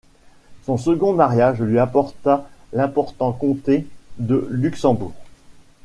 Son second mariage lui apporta l'important comté de Luxembourg.